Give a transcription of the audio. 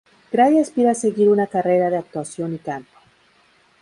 Gray aspira a seguir una carrera de actuación y canto.